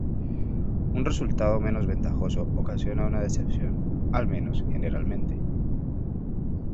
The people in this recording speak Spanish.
Un resultado menos ventajoso ocasiona una decepción, al menos generalmente.